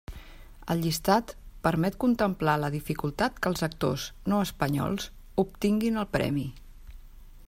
El llistat permet contemplar la dificultat que els actors no espanyols obtinguin el premi.